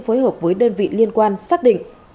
phối hợp với đơn vị liên quan xác định